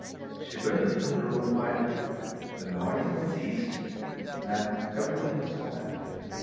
She went into her room quietly. The noise had ceased, and everything was quiet.